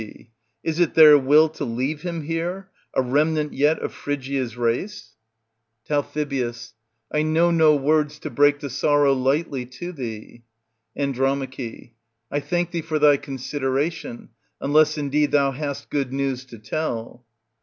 Is it their will to leave him here, a remnant yet of Phrygia's race ? Digitized by Google 246 EURIPIDES. [L. 712 781 Tal. I know no words to break the sorrow lightly to thee. And. I thank thee for thy consideration, unless indeed thou hast good news to tell.